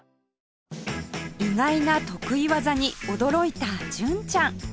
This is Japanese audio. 意外な得意技に驚いた純ちゃん